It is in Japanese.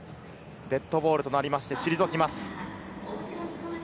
デッドボールとなりまして、退きます。